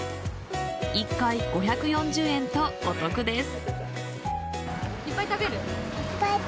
１回５４０円とお得です。